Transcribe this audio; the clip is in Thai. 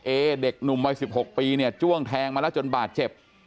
เอเด็กหนุ่มวัย๑๖ปีเนี่ยจ้วงแทงมาแล้วจนบาดเจ็บ